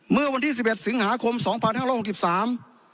เมื่อวันที่สิบเอ็ดสิงหาคมสองพันห้าร้อยหกสิบสาม